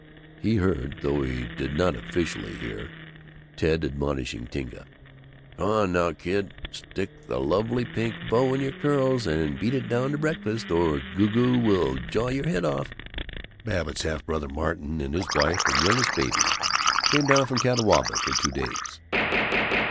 He heard (though he did not officially hear) Ted admonishing Tinka, "Come on now, kid; stick the lovely pink bow in your curls and beat it down to breakfast, or Goo goo will jaw your head off." Babbitt's half brother, Martin, with his wife and youngest baby, came down from Catawba for two days.